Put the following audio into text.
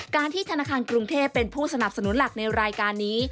การที่ธนาคารกรุงเทพเป็นผู้สนับสนุนหลักในรายการนี้